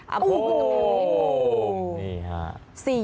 โอ้โหนี่ค่ะ